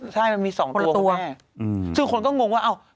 ส่างปีต่อกันแม้